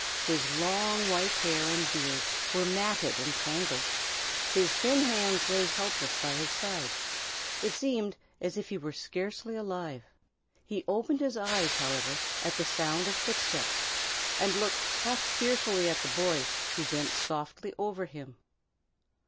His long white hair and beard were matted and tangled; his thin hands lay helpless by his side; it seemed as if he were scarcely alive. He opened his eyes, however, at the sound of footsteps, and looked half fearfully at the boy, who bent softly over him.